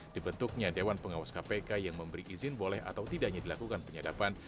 dibentuknya dewan pengawas kpk yang memberi izin boleh atau tidaknya dilakukan penyadapan